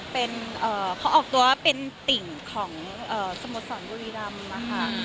เป็นเขาออกตัวว่าเป็นติ่งของสโมสรบุรีรำนะคะ